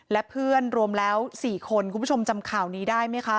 และเพื่อนรวมแล้ว๔คนคุณผู้ชมจำข่าวนี้ได้ไหมคะ